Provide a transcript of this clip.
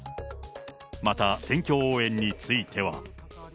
また、選挙応援については。